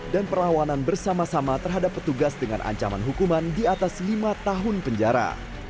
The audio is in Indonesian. perlawanan bersama sama terhadap petugas dengan ancaman hukuman di atas lima tahun penjara